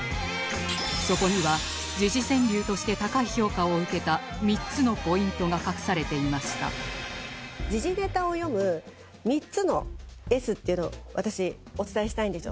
そこには時事川柳として高い評価を受けた３つのポイントが隠されていましたっていうのを私お伝えしたいんですよ。